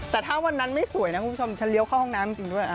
แต่ถ้าวันนั้นไม่สวยนะคุณผู้ชมฉันเลี้ยวเข้าห้องน้ำจริงด้วย